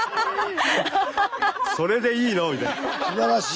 それでいいの？みたいな。